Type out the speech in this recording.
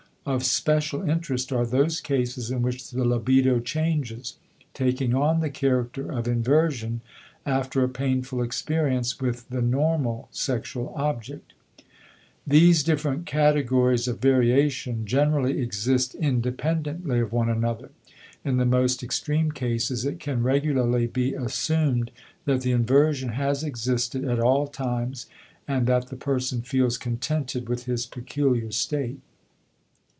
Of special interest are those cases in which the libido changes, taking on the character of inversion after a painful experience with the normal sexual object. These different categories of variation generally exist independently of one another. In the most extreme cases it can regularly be assumed that the inversion has existed at all times and that the person feels contented with his peculiar state.